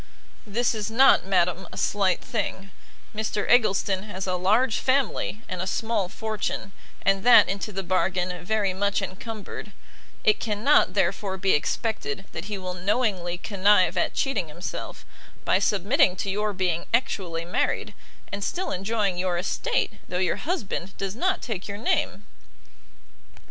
"This is not, madam, a slight thing; Mr Eggleston has a large family and a small fortune, and that, into the bargain, very much encumbered; it cannot, therefore, be expected that he will knowingly connive at cheating himself, by submitting to your being actually married, and still enjoying your estate though your husband does not take your name."